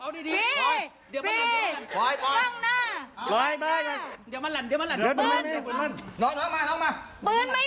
มีถุงมือไหม